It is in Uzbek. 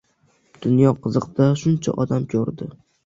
Dunyo qiziq-da, shuncha odamni ko‘rdi